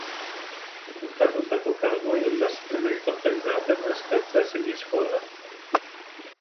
Hautatutako karguei ondasunen aitorpen gardena eskatzea ezinezkoa da.